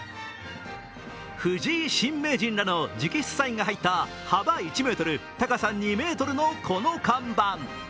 藤井新名人らの直筆サインが入った幅１ｍ、高さ２ｍのこの看板。